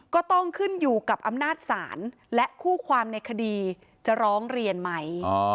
ก็ต้องขึ้นอยู่กับอำนาจศาลและคู่ความในคดีจะร้องเรียนไหม